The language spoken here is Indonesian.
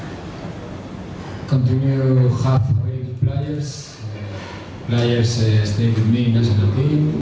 saya ingin mengucapkan ke pemain pemain pemain tetap bersama saya di tim nasional